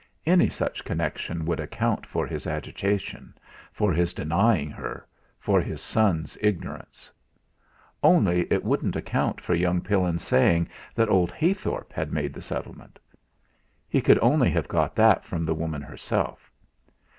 Any such connection would account for his agitation, for his denying her, for his son's ignorance. Only it wouldn't account for young Pillin's saying that old Heythorp had made the settlement. He could only have got that from the woman herself.